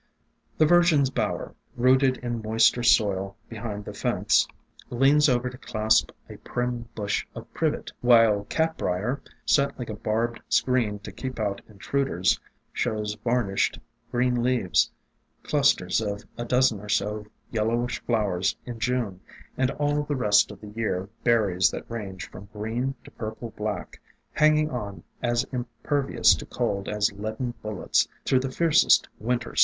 The Virgin's Bower, rooted in moister soil behind the fence, leans over to clasp a prim bush of Privet, while Catbrier, set like a barbed screen to keep out intrud ers, shows varnished green leaves, clusters of a dozen or so yellowish flowers in June, and all the rest of the year berries that range from THE DRAPERY OF VINES 307 green to purple black, hanging on, as impervious to cold as leaden bullets, through the fiercest Winter